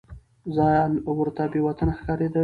ځان ورته بې وطنه ښکارېده.